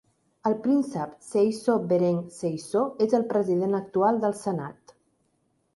El príncep Seeiso Bereng Seeiso és el president actual del Senat.